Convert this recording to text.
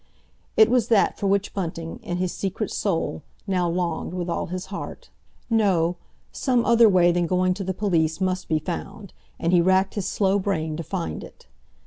It was that for which Bunting, in his secret soul, now longed with all his heart. No, some other way than going to the police must be found—and he racked his slow brain to find it.